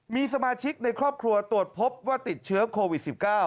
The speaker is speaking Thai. มีสมาชิกในครอบครัวตรวจพบว่าติดเชื้อโควิด๑๙